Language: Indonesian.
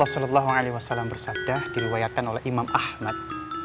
rasulullah saw bersabda diruayatkan oleh imam ahmad